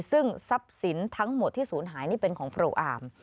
ซึ่งซับสินทั้งหมดที่สูญหายนี่เป็นของโปรอาม